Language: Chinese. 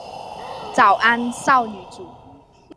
早安少女组。